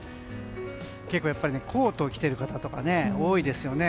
結構コートを着ている方が多いですよね。